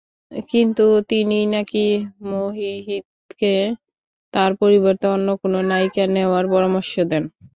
কিন্তু তিনিই নাকি মোহিতকে তাঁর পরিবর্তে অন্য কোনো নায়িকা নেওয়ার পরামর্শ দেন।